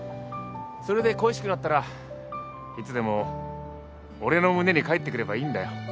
それで恋しくなったらいつでも俺の胸に帰ってくればいいんだよ。